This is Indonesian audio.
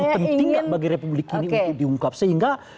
ini sesuatu yang penting bagi republik ini untuk diungkap sehingga